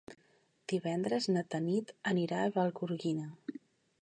Divendres na Tanit anirà a Vallgorguina.